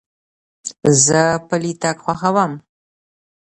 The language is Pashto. زه پلي تګ خوښوم.